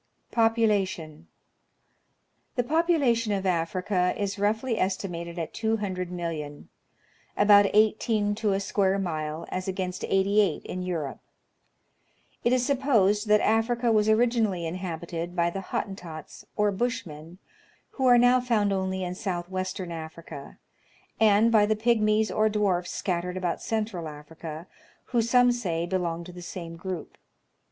Population. The population of Africa is roughly estimated at 200,000,000, — about 18 to a square mile, as against 88 in Europe. It is sup posed that Africa was originally inhabited by the Hottentots, or Bushmen, who are now found only in soiith western Africa, and by the Pygmies or Dwarfs scattered about Central Africa, who, some say, belong to the same group.